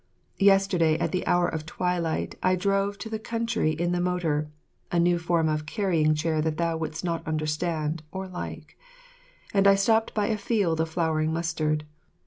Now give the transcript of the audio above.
Yesterday at the hour of twilight I drove to the country in the motor (a new form of carrying chair that thou wouldst not understand or like) and I stopped by a field of flowering mustard.